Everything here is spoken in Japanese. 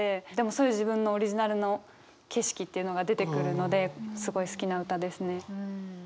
そういう自分のオリジナルの景色っていうのが出てくるのですごい好きな歌ですね。